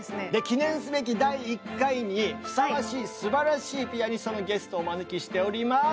記念すべき第１回にふさわしいすばらしいピアニストのゲストをお招きしております！